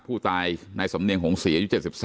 ผู้ตายไนสำเนียงหงษมณี๗๓